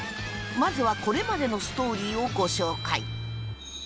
まずはこれまでのストーリーをご紹介